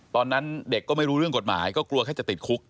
ตอนนั้นเด็กก็ไม่รู้เรื่องกฎหมายก็กลัวแค่จะติดคุก